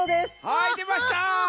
はいでました！